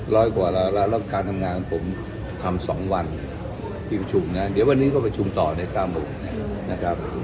ร้อยกว่าแล้วการทำงานของผมทำสองวันที่ประชุมนะเดี๋ยววันนี้ก็ประชุมต่อใน๙โมงนะครับ